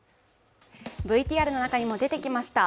ＶＴＲの中にも出てきました